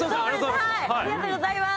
ありがとうございます。